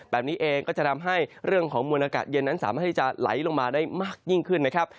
แบบนี้เองก็จะทำให้เรื่องของมวลอากาศเย็นนั้นสามารถที่จะไหลลงมาได้มากยิ่งขึ้นนะครับ